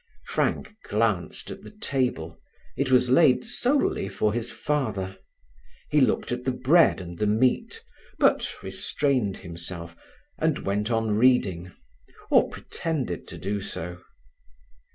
Frank glanced at the table; it was laid solely for his father. He looked at the bread and the meat, but restrained himself, and went on reading, or pretended to do so.